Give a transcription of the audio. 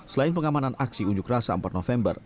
selain pengamanan aksi unjuk rasa empat november